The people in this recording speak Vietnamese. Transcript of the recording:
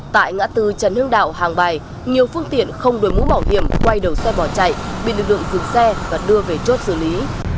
tại ngã tư trần hưng đạo hàng bài nhiều phương tiện không đội mũ bảo hiểm quay đầu xe bỏ chạy bị lực lượng dừng xe và đưa về chốt xử lý